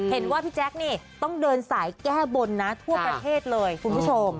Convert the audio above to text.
พี่แจ๊คนี่ต้องเดินสายแก้บนนะทั่วประเทศเลยคุณผู้ชม